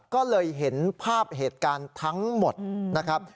ก็เลยเห็นภาพเหตุการณ์ทั้งหมดนะครับ